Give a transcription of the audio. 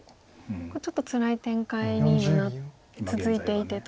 ちょっとつらい展開に今続いていてと。